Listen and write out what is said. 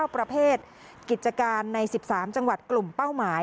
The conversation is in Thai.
ประเภทกิจการใน๑๓จังหวัดกลุ่มเป้าหมาย